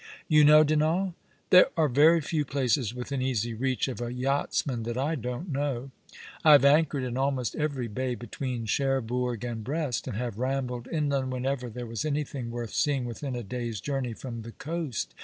" You know Dinan ?"" There are very few places within easy reach of a yachts man that I don't know. I have anchored in almost every bay between Cherbourg and Brest, and have rambled inland whenever there was anything worth seeing within a day's journey from the coast.